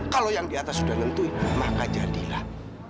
kalau yang di atas sudah nentuin maka jadilah